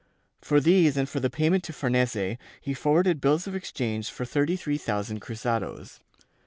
For these and for the payment to Farnese, he forwarded bills of exchange for thirty three thousand cruzados.